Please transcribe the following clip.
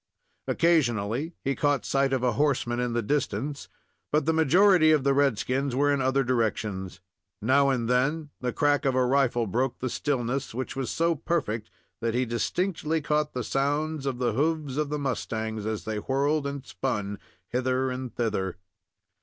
Occasionally he caught sight of a horseman in the distance, but the majority of the red skins were in other directions. Now and then the crack of a rifle broke the stillness, which was so perfect that he distinctly caught the sound of the hoofs of the mustangs, as they whirled and spun hither and thither.